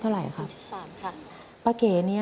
ทำงานชื่อนางหยาดฝนภูมิสุขอายุ๕๔ปี